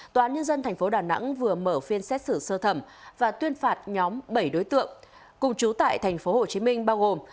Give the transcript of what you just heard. tòa án nhân dân tp đà nẵng vừa mở phiên xét xử sơ thẩm và tuyên phạt nhóm bảy đối tượng cùng chú tại tp hcm bao gồm